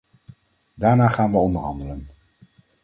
Daarna gaan we onderhandelen.